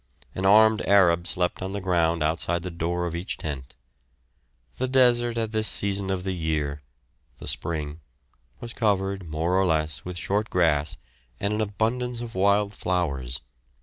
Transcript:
An armed Arab slept on the ground outside the door of each tent. The desert at this season of the year the spring was covered, more or less, with short grass and an abundance of wild flowers.